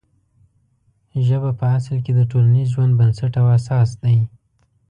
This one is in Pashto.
ژبه په اصل کې د ټولنیز ژوند بنسټ او اساس دی.